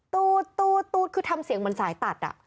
ตูดตูดตูดคือทำเสียงบนสายตัด